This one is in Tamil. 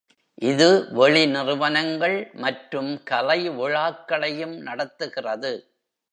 இது வெளி நிறுவனங்கள் மற்றும் கலை விழாக்களையும் நடத்துகிறது.